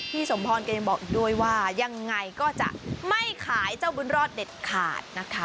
สมพรก็ยังบอกอีกด้วยว่ายังไงก็จะไม่ขายเจ้าบุญรอดเด็ดขาดนะคะ